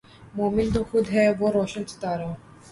مومن تو خود ھے وہ روشن ستارا